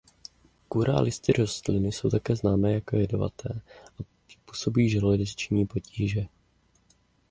Kůra a listy rostliny jsou také známé jako jedovaté a způsobují žaludeční potíže.